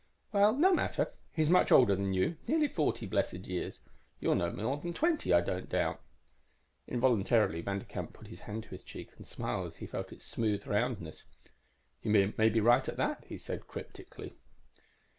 "_ "Well, no matter. He's much older than you near forty blessed years. You're no more than twenty, I don't doubt." _Involuntarily Vanderkamp put his hand to his cheek, and smiled as he felt its smooth roundness. "You may be right, at that," he said cryptically.